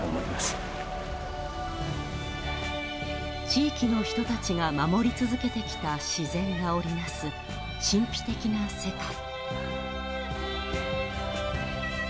地域の人たちが守り続けてきた自然が織りなす神秘的な世界。